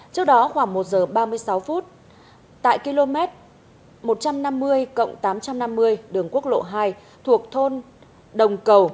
trước đó khoảng một giờ ba mươi sáu phút tại km một trăm năm mươi tám trăm năm mươi đường quốc lộ hai thuộc thôn đồng cầu